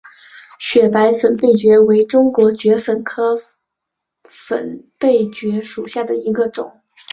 雪白粉背蕨为中国蕨科粉背蕨属下的一个种。